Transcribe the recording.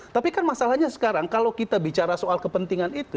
tapi kan masalahnya sekarang kalau kita bicara soal kepentingan itu